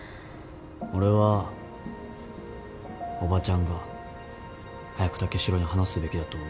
俺はおばちゃんが早く武四郎に話すべきだと思う。